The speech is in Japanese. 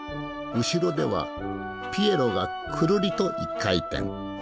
後ろではピエロがくるりと一回転。